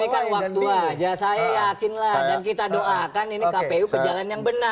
ini kan waktu aja saya yakinlah dan kita doakan ini kpu perjalanan yang benar